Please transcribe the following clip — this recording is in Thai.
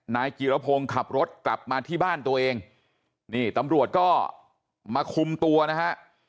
นายจิรพงศ์ขับรถกลับมาที่บ้านตัวเองนี่ตำรวจก็มาคุมตัวนะฮะ